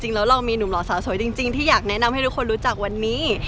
จริงแล้วเรามีหนุ่มหลอสาวสวยที่อยากแนะนำให้ทุกคนรู้จักวันนี้